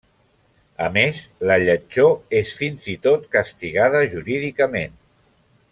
A més, la lletjor és fins i tot castigada jurídicament.